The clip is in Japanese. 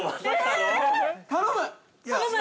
◆頼む！